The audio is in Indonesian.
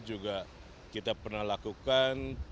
juga kita pernah lakukan